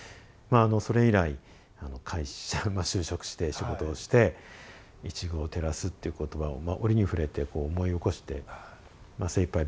それ以来会社就職して仕事をして「一隅を照らす」っていう言葉を折に触れて思い起こして精いっぱい